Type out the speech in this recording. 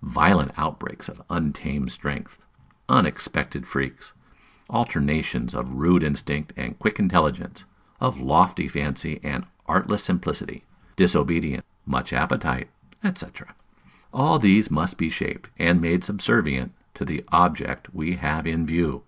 Violent outbreaks of untamed strength; unexpected freaks; alternations of rude instinct and quick intelligence, of lofty fancy and artless simplicity; disobedience; much appetite, &c., all these must be shaped, and made subservient to the object we have in view.